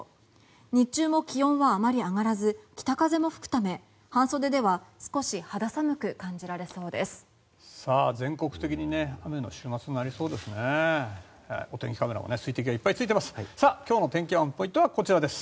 日中も気温はあまり上がらず北風も吹くため半袖では少し寒く感じられそうです。